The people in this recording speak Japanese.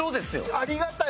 ありがたい。